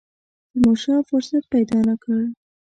تیمورشاه فرصت پیدا نه کړ.